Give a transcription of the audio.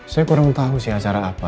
saya kurang tahu sih acara apa